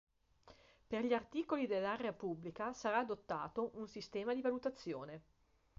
Per gli articoli dell'area pubblica sarà adottato un sistema di valutazione.